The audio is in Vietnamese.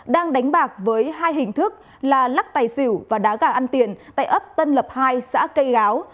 đang đánh bạc với hai hình thức là lắc tài xỉu và đá gà ăn tiền tại ấp tân lập hai xã cây gáo